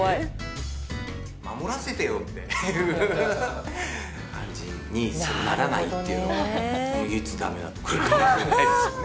守らせてよっていう感じにならないっていうのは、唯一だめな所かもしれないですね。